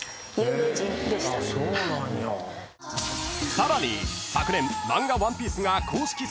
［さらに昨年漫画］